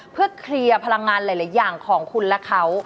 เพื่อเคลียร์พลังงานหลายอย่างของคุณและเขา